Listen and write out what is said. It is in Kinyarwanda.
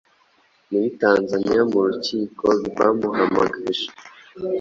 muri Tanzania mu rukiko rwamuhamagaje,